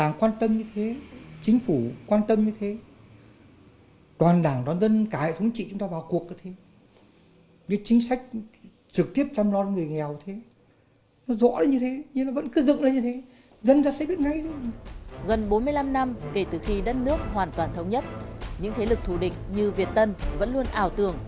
gần bốn mươi năm năm kể từ khi đất nước hoàn toàn thống nhất những thế lực thủ địch như việt tân vẫn luôn ảo tưởng